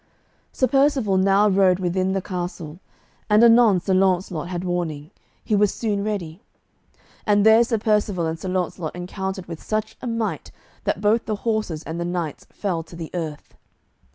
Sir Percivale now rode within the castle, and anon Sir Launcelot had warning, he was soon ready. And there Sir Percivale and Sir Launcelot encountered with such a might that both the horses and the knights fell to the earth.